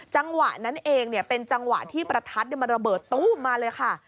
จังหวะนั้นเองเป็นจังหวะที่ประทัดมันระเบิดตู้มมาเลยค่ะ